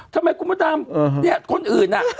ทำไมกูมาตามเนี่ยคนอื่นอ่ะ